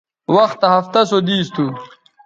وختہ ہفتہ سو دیس تھو